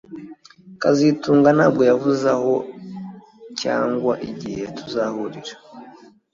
kazitunga ntabwo yavuze aho cyangwa igihe tuzahurira